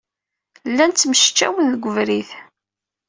Llan ttemceččawen deg webrid.